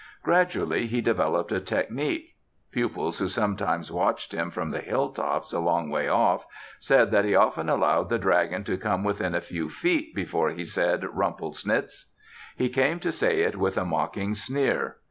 Gradually he developed a technique. Pupils who sometimes watched him from the hill tops a long way off said that he often allowed the dragon to come within a few feet before he said "Rumplesnitz." He came to say it with a mocking sneer.